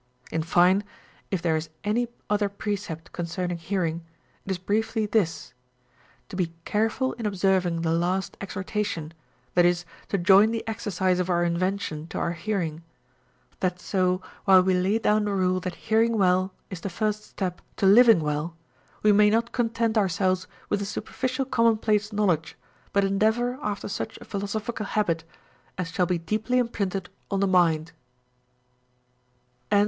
In fine, if there is any other precept con cerning hearing, it is briefly this, to be careful in observing the last exhortation, — that is, to join the exercise of our invention to our hearing ; that so, while we lay down the rule that hearing well is the first step to living well, we may not content ourselves with a superficial commonplace knowledge, but endeavor after such a philosophical habit as shall be deeply imprinted on the mind.